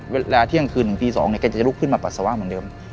เวลาเที่ยงคืนถึงตี๒เนี่ยแกจะลุกขึ้นมาปัสสาวะเหมือนเดิม